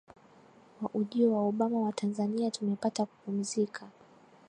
wa ujio wa Obama Watanzania tumepata kupumzika